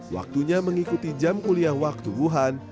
waktunya mengikuti jam kuliah waktu wuhan